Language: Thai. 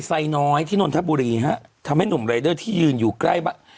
ไซน้อยที่นนทบุรีฮะทำให้หนุ่มรายเดอร์ที่ยืนอยู่ใกล้บ้าน